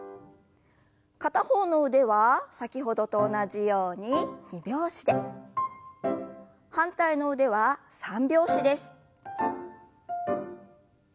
片方の腕は先ほどと同じように二拍子で反対の腕は三拍子です。